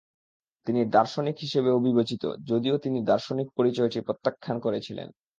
তিনি দার্শনিক হিসেবেও বিবেচিত যদিও তিনি দার্শনিক পরিচয়টি প্রত্যাখ্যান করেছিলেন।